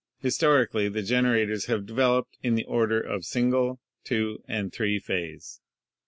Historically the generators have developed in the order of single, two, and three phase.